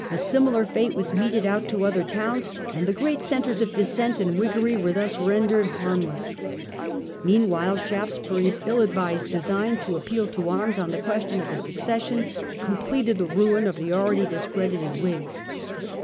A similar fate was meted out to other towns, and the great centres of Dissent and Whiggery were thus rendered harmless. Meanwhile Shaftesbury's ill advised design to appeal to arms on the question of the Succession com pleted the ruin of the already discredited Whigs.